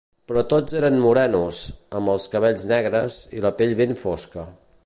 Però tots eren morenos, amb els cabells negres i la pell ben fosca.